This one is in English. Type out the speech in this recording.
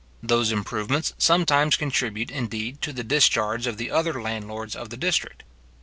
Those improvements sometimes contribute, indeed, to the discharge of the other landlords of the district.